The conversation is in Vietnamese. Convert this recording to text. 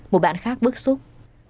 một bạn khác bức xúc